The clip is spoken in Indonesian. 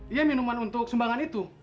iya minuman untuk sumbangan itu